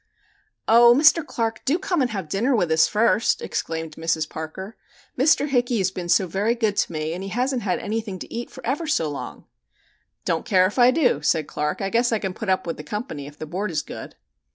"Oh, Mr. Clark, do come and have dinner with us first!" exclaimed Mrs. Parker. "Mr. Hickey has been very good to me, and he hasn't had anything to eat for ever so long." "Don't care if I do," said Clark. "I guess I can put up with the company if the board is good."